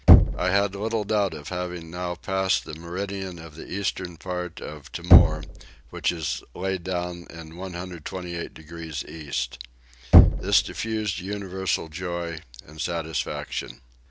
I had little doubt of having now passed the meridian of the eastern part of Timor which is laid down in 128 degrees east. This diffused universal joy and satisfaction.